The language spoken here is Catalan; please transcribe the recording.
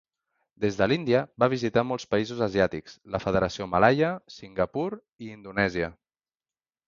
Des de l'Índia, va visitar molts països asiàtics: la Federació Malaia, Singapur i Indonèsia.